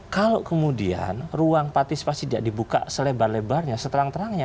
kalau kemudian ruang partisipasi tidak dibuka selebar lebarnya seterang terangnya